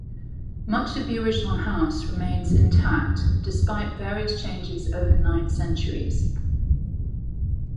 Much of the original house remains intact despite various changes over nine centuries.